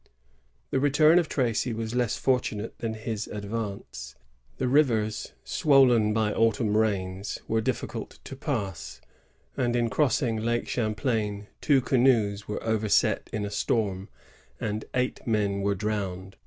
The return of Tracy was less fortunate than his advance. The rivers, swollen by autumn raids, were difficult to pass; and in crossing Lake Cham plain two canoes were overset in a storm, and eight men were drowned.